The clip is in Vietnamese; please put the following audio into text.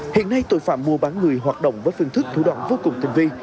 hiện nay tội phạm mua bán người hoạt động với phương thức thủ đoạn vô cùng tình vi